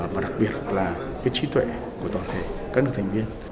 và đặc biệt là trí tuệ của toàn thể các nước thành viên